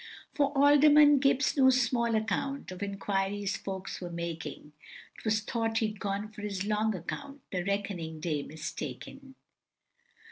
For Alderman Gibbs no small amount Of enquiries folks were making, 'Twas thought he had gone to his long account, The reckoning day mistaking.